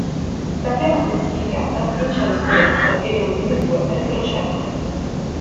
La prima classificata vince lo scudetto e le ultime due retrocedono.